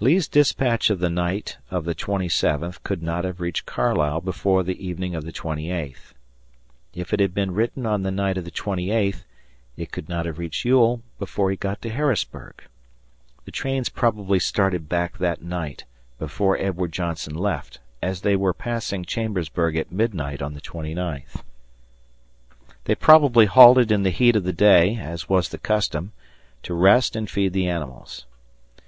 Lee's dispatch of the night of the twenty seventh could not have reached Carlisle before the evening of the twenty eighth. If it had been written on the night of the twenty eighth, it could not have reached Ewell before he got to Harrisburg. The trains probably started back that night before Edward Johnson left, as they were passing Chambersburg at midnight on the twenty ninth. They probably halted in the heat of the day as was the custom, to rest and feed the animals.